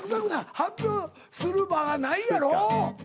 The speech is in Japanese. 発表する場がないやろ？